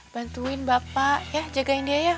bantuin bapak ya jagain dia ya